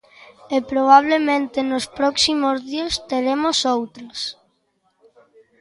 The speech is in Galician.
E probablemente nos próximos días teremos outras.